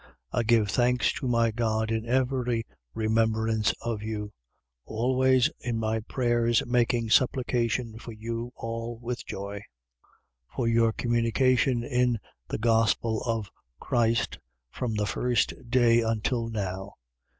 1:3. I give thanks to my God in every remembrance of you: 1:4. Always in all my prayers making supplication for you all with joy: 1:5. For your communication in the gospel of Christ, from the first day unto now.